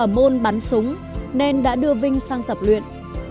môn bắn súng nên đã đưa vinh sang tập luyện